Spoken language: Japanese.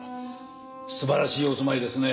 素晴らしいお住まいですね。